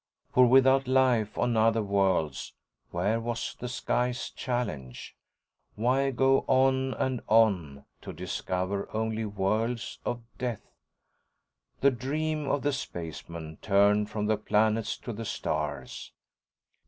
For without life on other worlds, where was the sky's challenge? Why go on and on to discover only worlds of death? The dream of the spacemen turned from the planets to the stars.